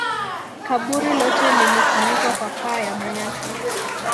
kaburi lote lilifunikwa kwa paa ya manyasi